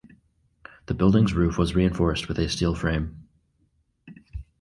The building’s roof was reinforced with a steel frame.